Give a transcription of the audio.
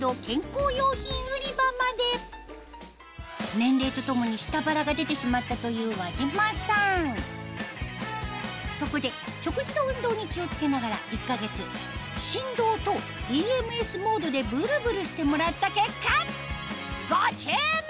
年齢とともに下腹が出てしまったというそこで食事と運動に気を付けながら１か月振動とＥＭＳモードでブルブルしてもらった結果ご注目！